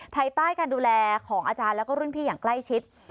ภายใต้การดูแลของอาจารย์แล้วก็รุ่นพี่อย่างใกล้ชิด